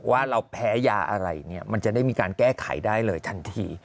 ว่าเราแพ้ยาอะไรเนี่ยมันจะได้มีการแก้ไขได้เลยทันที